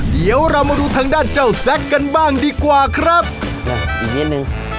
เดี๋ยวเรามาดูทางด้านเจ้าแซคกันบ้างดีกว่าครับอีกนิดนึง